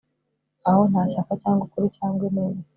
Aho nta shyaka cyangwa ukuri cyangwa ineza